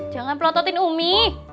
jangan pelototin umi